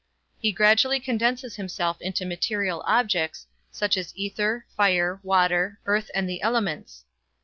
He gradually condenses himself into material objects, such as ether, fire, water, earth and the elements.